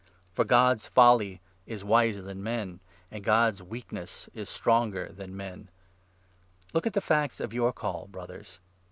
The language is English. For God's ' folly ' is wiser than men, and God's ' weak 25 ness ' is stronger than men. 'weakness1 Look at the facts of your Call, Brothers.